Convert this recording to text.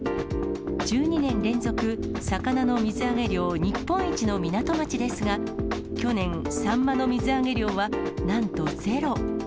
１２年連続、魚の水揚げ量日本一の港町ですが、去年、サンマの水揚げ量はなんとゼロ。